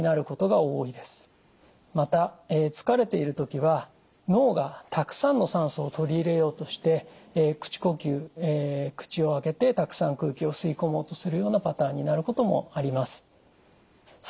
また疲れている時は脳がたくさんの酸素を取り入れようとして口呼吸口を開けてたくさん空気を吸い込もうとするようなパターンになることもあります。